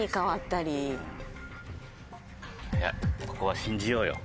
ここは信じようよ。